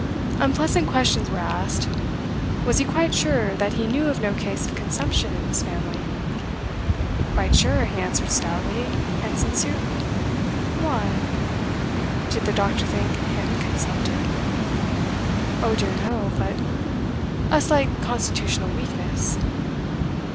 Unpleasant questions were asked: Was he quite sure that he knew of no case of consumption in his family? Quite sure, he answered stoutly, and sincerely. Why? Did the doctor think him consumptive? Oh dear no, but a slight constitutional weakness.